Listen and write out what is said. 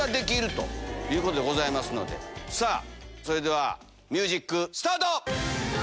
さぁそれではミュージックスタート！